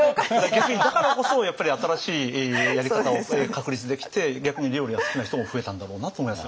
逆にだからこそやっぱり新しいやり方を確立できて逆に料理が好きな人も増えたんだろうなと思いますよね。